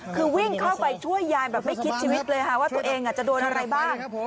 คือวิ่งเข้าไปช่วยยายแบบไม่คิดชีวิตเลยค่ะว่าตัวเองจะโดนอะไรบ้าง